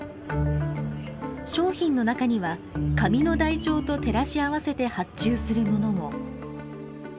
商品の中には紙の台帳と照らし合わせて発注するものも。